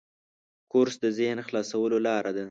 کورس د ذهن خلاصولو لاره ده.